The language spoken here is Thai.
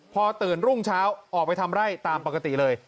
พอตื่นรุ่งเช้าออกไปทำไร่ตามปกติเลย